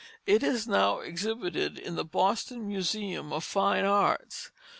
It is now exhibited in the Boston Museum of Fine Arts.